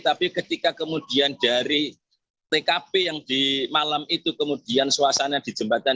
tapi ketika kemudian dari tkp yang di malam itu kemudian suasana di jembatan